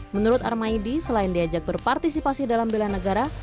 menurut armaidi selain diajak berpartisipasi dalam bela negara